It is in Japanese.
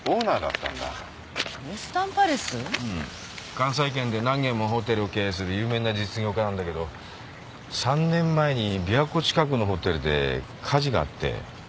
関西圏で何軒もホテルを経営する有名な実業家なんだけど３年前に琵琶湖近くのホテルで火事があって。